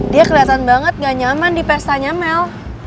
dia keliatan banget gak nyaman di pesta nyamel